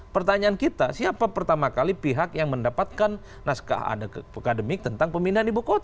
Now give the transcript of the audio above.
pertanyaan kita siapa pertama kali pihak yang mendapatkan naskah akademik tentang pemindahan ibu kota